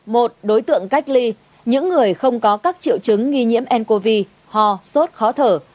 một đối tượng cách ly những người không có các triệu chứng nghi nhiễm ncov ho sốt khó thở